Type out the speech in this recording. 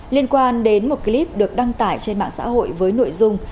liên quan đến một clip được đăng tải trên mạng xã hội với nội dung